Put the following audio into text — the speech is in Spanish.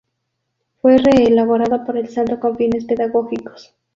Fue reelaborado por el santo con fines pedagógicos.